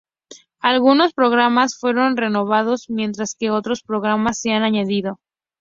Algunos programas fueron renombrados, mientras que otros programas se han añadido.